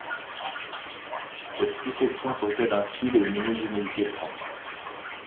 Cette sous-section possède un style et une homogénéité propres.